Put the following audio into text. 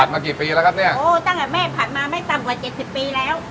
มากี่ปีแล้วครับเนี่ยโอ้ตั้งแต่แม่ผัดมาไม่ต่ำกว่าเจ็ดสิบปีแล้ว